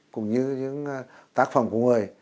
cũng như những tác phẩm của người